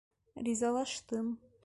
Ризалаштым.